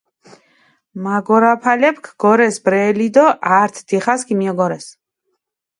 მაგორაფალეფქ გორეს ბრელი დო ართ დიხას ქიმიოგორეს.